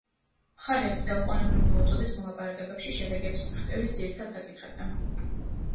მხარეებს დაუყოვნებლივ მოუწოდეს მოლაპარაკებებში შედეგების მიღწევას ძირითად საკითხებზე.